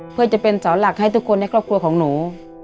เพื่อจะเป็นเสาหลักให้ทุกคนในครอบครัวของหนู